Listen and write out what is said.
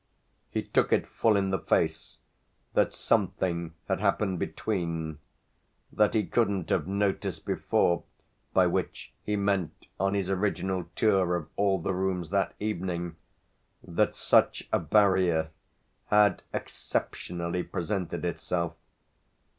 He took it full in the face that something had happened between that he couldn't have noticed before (by which he meant on his original tour of all the rooms that evening) that such a barrier had exceptionally presented itself.